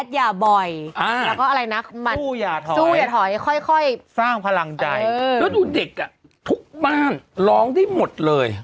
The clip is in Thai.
ซู่อย่าถอยค่อยสร้างพลังใจแล้วดูเด็กน่ะทุกบ้านร้องที่หมดเลย